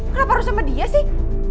kenapa harus sama dia sih